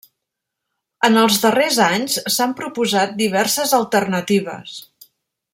En els darrers anys s'han proposat diverses alternatives.